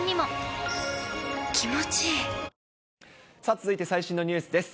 続いて最新のニュースです。